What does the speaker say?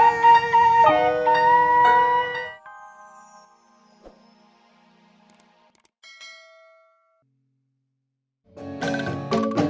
presiden dibiarkan religious terkutuk dalam waktu ini